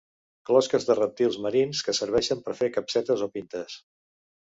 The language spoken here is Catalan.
Closques de rèptils marins que serveixen per fer capsetes o pintes.